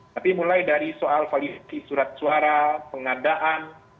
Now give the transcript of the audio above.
tapi mulai dari soal validasi surat suara pengadaan